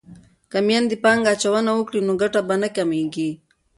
که میندې پانګه اچونه وکړي نو ګټه به نه کمیږي.